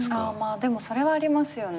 でもそれはありますよね。